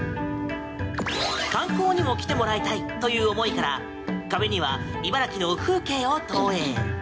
観光にも来てもらいたいという思いから壁には茨城の風景を投影。